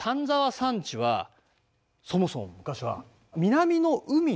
山地はそもそも昔は南の海の底だった。